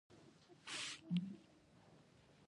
افغانستان کې د ولایتونو په اړه زده کړه کېږي.